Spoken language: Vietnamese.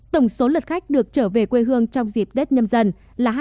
tổng số lượt khách được trở về quê hương trong dịp đết nhân dân là hai năm mươi năm người